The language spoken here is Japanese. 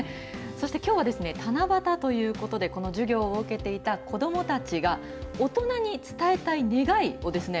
きょうは七夕ということでこの授業を受けていた子どもたちが大人に伝えたい願いをですね